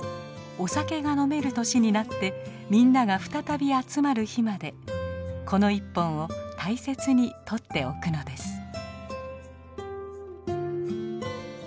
お酒が飲める年になってみんなが再び集まる日までこの１本を大切に取っておくのです。